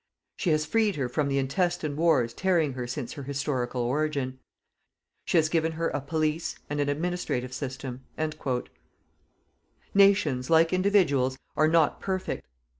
She has freed her from the intestine wars tearing her since her historical origin; she has given her a police and an administrative system. Nations, like individuals, are not perfect.